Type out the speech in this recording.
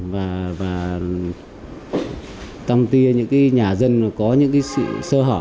và tăm tia những nhà dân có những sự sơ hỏa nhất định